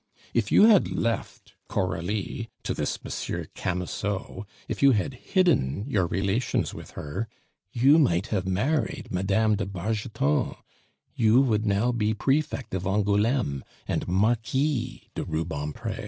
If you had left Coralie to this M. Camusot, if you had hidden your relations with her, you might have married Mme. de Bargeton; you would now be prefect of Angouleme and Marquis de Rubempre.